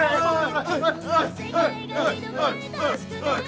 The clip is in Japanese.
おい！